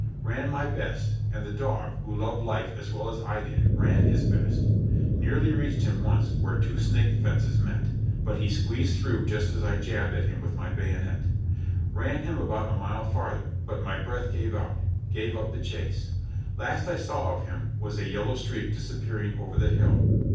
Ran my best, and the dog, who loved life as well as I did, ran his best; nearly reached him once where two snake fences met, but he squeezed through just as I jabbed at him with my bayonet; ran him about a mile farther, but my breath gave out, gave up the chase; last I saw of him was a yellow streak disappearing over the hill.